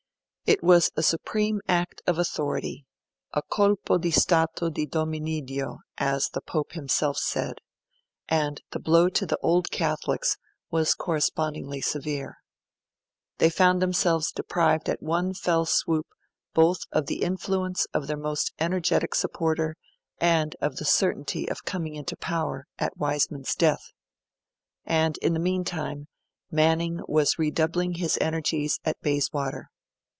It was a supreme act of authority a 'colpo di stato di Dominiddio', as the Pope himself said and the blow to the Old Catholics was correspondingly severe. They found themselves deprived at one fell swoop both of the influence of their most energetic supporter and of the certainty of coming into power at Wiseman's death. And in the meantime, Manning was redoubling his energies at Bayswater.